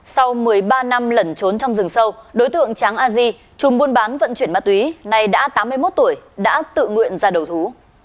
sau một mươi ba năm lẩn trốn trong rừng sâu đối tượng tráng a di trùng buôn bán vận chuyển ma túy này đã tám mươi một tuổi đã tự nguyện ra đầu thú